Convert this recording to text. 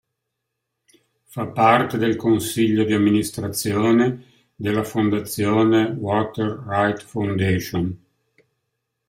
Fa parte del consiglio di amministrazione della Fondazione Water Right Foundation.